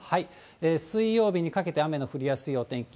水曜日にかけて雨の降りやすいお天気。